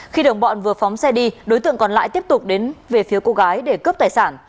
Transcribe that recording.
khi đồng bọn vừa phóng xe đi đối tượng còn lại tiếp tục đến về phía cô gái để cướp tài sản